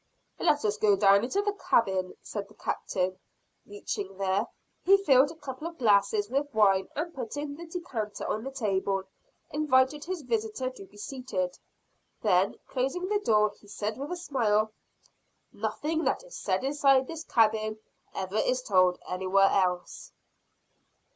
"Let us go down into the cabin," said the Captain. Reaching there, he filled a couple of glasses with wine and putting the decanter on the table, invited his visitor to be seated. Then, closing the door, he said with a smile, "nothing that is said inside this cabin ever is told anywhere else."